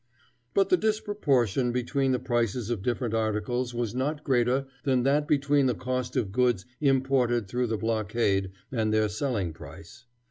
But the disproportion between the prices of different articles was not greater than that between the cost of goods imported through the blockade and their selling price.